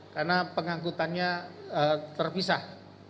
karena pengangkutannya terpisah